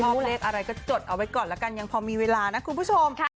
เลขอะไรก็จดเอาไว้ก่อนละกันยังพอมีเวลานะคุณผู้ชม